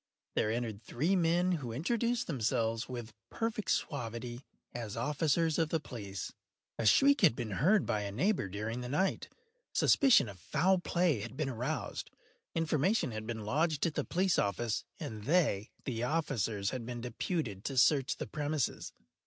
There entered three men, who introduced themselves, with perfect suavity, as officers of the police. A shriek had been heard by a neighbour during the night; suspicion of foul play had been aroused; information had been lodged at the police office, and they (the officers) had been deputed to search the premises.